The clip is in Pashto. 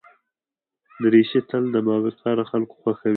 دریشي تل د باوقاره خلکو خوښه وي.